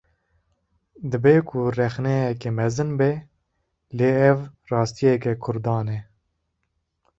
Dibe ku rexneyeke mezin be, lê ev rastiyeke Kurdan e